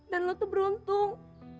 dan lo tuh beruntung